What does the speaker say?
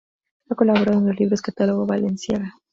Ha colaborado en los libros-catálogo "Balenciaga.